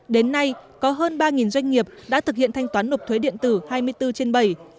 đến nay có hơn ba doanh nghiệp đã thực hiện thanh toán nộp thuế điện tử hai mươi bốn trên bảy